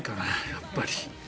やっぱり。